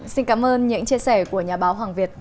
xin cảm ơn những chia sẻ của nhà báo hoàng việt